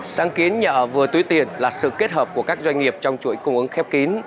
sáng kiến nhà ở vừa túi tiền là sự kết hợp của các doanh nghiệp trong chuỗi cung ứng khép kín